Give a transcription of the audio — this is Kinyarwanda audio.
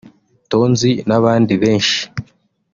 Tonzi n’abandi benshi